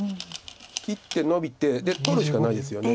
切ってノビてで取るしかないですよね。